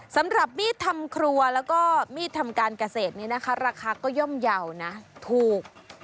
สำหรับมีดทำครัวแล้วก็มีดทำการเกษตรนี้นะคะราคาก็ย่อมเยาว์นะถูก